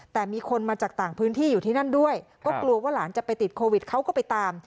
แต่มีคนมาจากต่างพื้นที่อยู่ที่นั่นด้วยก็กลัวว่าหลานจะไปติดโควิดเขาก็ไปตาม